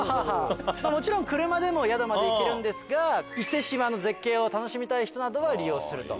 もちろん車でも宿まで行けるんですが伊勢志摩の絶景を楽しみたい人などは利用する。